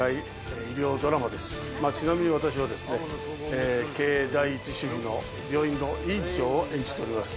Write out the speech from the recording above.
ちなみに私はですね経営第一主義の病院の院長を演じております。